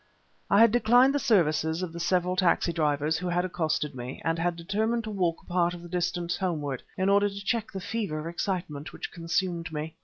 I had declined the services of the several taxi drivers who had accosted me and had determined to walk a part of the distance homeward, in order to check the fever of excitement which consumed me.